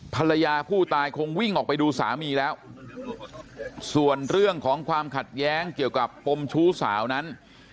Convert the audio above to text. ภรรยาผู้ตายคงวิ่งออกไปดูสามีแล้วส่วนเรื่องของความขัดแย้งเกี่ยวกับปมชู้สาวนั้น